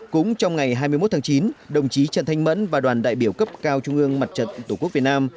cũng trong ngày hai mươi một tháng chín đồng chí trần thanh mẫn và đoàn đại biểu cấp cao trung ương mặt trận tổ quốc việt nam